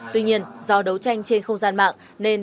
tuy nhiên do đấu tranh trên không gian mạng